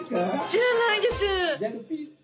「知らないです！」。